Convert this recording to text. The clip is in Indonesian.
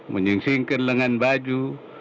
menyingsingkan lengan baju